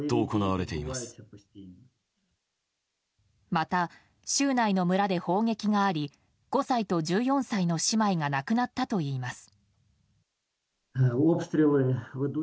また、州内の村で砲撃があり５歳と１４歳の姉妹が亡くなったといいます。